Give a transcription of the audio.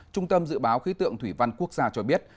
trung tâm dự báo khí tượng thủy văn quốc gia cho biết